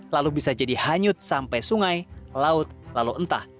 lalu bisa jadi hanyut sampai sungai laut lalu entah